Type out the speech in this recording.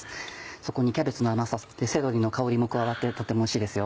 そこにキャベツの甘さセロリの香りも加わってとてもおいしいですよ。